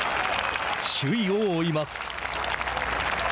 首位を追います。